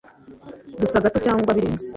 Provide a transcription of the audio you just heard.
gusa gato cyangwa birenze